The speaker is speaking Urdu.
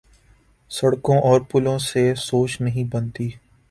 سڑکوں اور پلوں سے سوچ نہیں بنتی۔